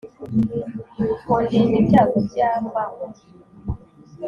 kundinda ibyago byambaho.